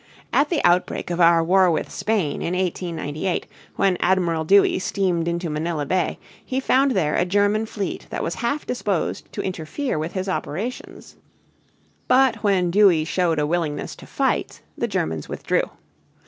At the outbreak of our war with Spain in 1898, when Admiral Dewey steamed into Manila Bay, he found there a German fleet that was half disposed to interfere with his operations. But when Dewey showed a willingness to fight, the Germans withdrew.